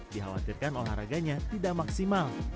dikhawatirkan olahraganya tidak maksimal